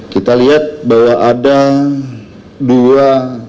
kita lihat bahwa ada dua